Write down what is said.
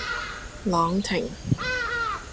朗廷